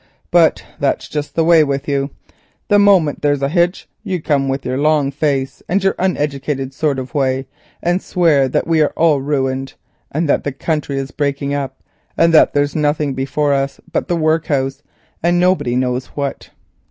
But that's just the way with you; the moment there's a hitch you come with your long face and your uneducated sort of way, and swear that we are all ruined and that the country is breaking up, and that there's nothing before us but the workhouse, and nobody knows what."